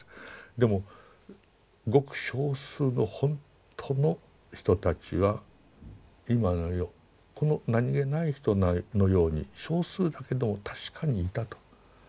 でもごく少数のほんとの人たちは今の世この何気ない人のように少数だけども確かにいたと。